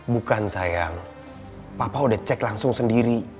bukan sayang papa udah cek langsung sendiri